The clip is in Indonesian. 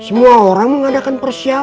semua orang mengadakan persiapan